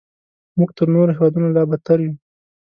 موږ تر نورو هیوادونو لا بدتر یو.